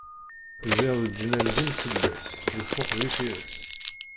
Ẓẓiɣ leǧnan d imselles, lxux d ifires.